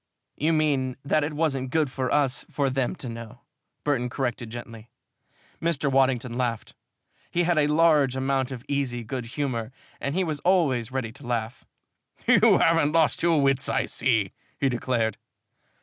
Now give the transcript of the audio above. "You mean that it wasn't good for us for them to know," Burton corrected gently. Mr. Waddington laughed. He had a large amount of easy good humor and he was always ready to laugh. "You haven't lost your wits, I see," he declared.